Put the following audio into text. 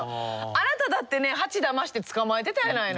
あなただってねハチだまして捕まえてたやないの！